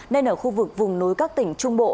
nên ở khu vực vùng núi các tỉnh trung bộ